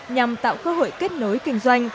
nhằm tạo cơ hội kết nối kinh doanh